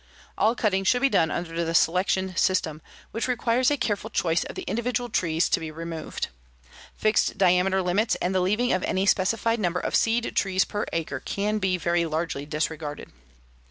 "All cutting should be done under the 'selection system,' which requires a careful choice of the individual trees to be removed. Fixed diameter limits and the leaving of any specified number of seed trees per acre can be very largely disregarded.